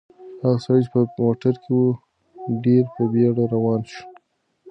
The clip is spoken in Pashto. هغه سړی چې په موټر کې و ډېر په بیړه روان شو.